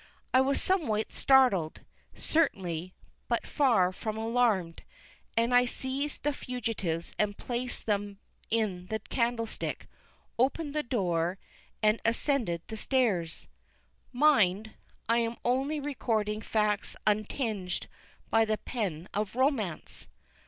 I was somewhat startled, certainly, but far from alarmed; and I seized the fugitives and replaced them in the candlestick, opened the door, and ascended the stairs. Mind, I am only recording facts untinged by the pen of romance!